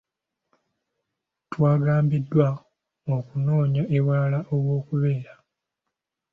Twagambiddwa okunoonya ewalala ew'okubeera.